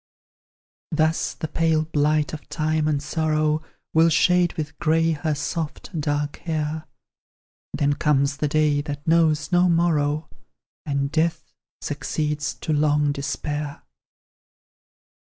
Thus the pale blight of time and sorrow Will shade with grey her soft, dark hair; Then comes the day that knows no morrow, And death succeeds to long despair.